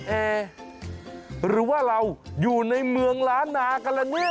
เอหรือว่าเราอยู่ในเมืองล้านนากันละเนี่ย